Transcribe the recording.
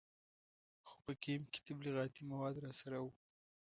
خو په کمپ کې تبلیغاتي مواد راسره وو.